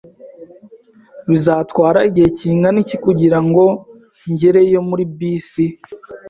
Bizantwara igihe kingana iki kugirango ngereyo muri bisi?